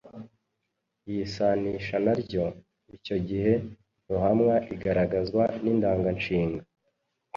yisanisha na ryo. Icyo gihe ruhamwa igaragazwa n’indanganshinga.